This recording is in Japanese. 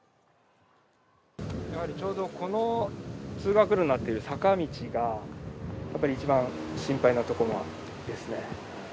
やはりちょうどこの通学路になっている坂道が、やっぱり一番心配なところですね。